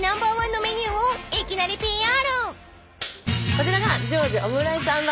こちらが。